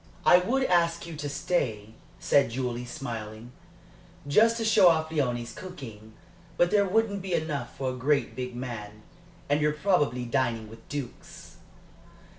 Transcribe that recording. "I would ask you to stay," said Julie, smiling, "just to show off Léonie's cooking; but there wouldn't be enough for a great big man. And you're probably dining with dukes."